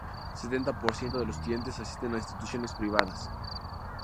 Setenta por ciento de los estudiantes asisten a instituciones privadas.